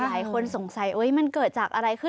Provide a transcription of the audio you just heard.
หลายคนสงสัยมันเกิดจากอะไรขึ้น